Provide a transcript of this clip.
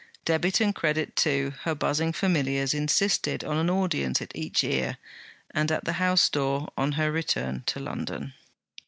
Debit and Credit, too, her buzzing familiars, insisted on an audience at each ear, and at the house door, on her return to London.